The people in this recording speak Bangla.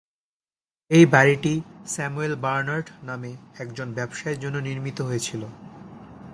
এই বাড়িটি স্যামুয়েল বার্নার্ড নামে একজন ব্যবসায়ীর জন্য নির্মিত হয়েছিল।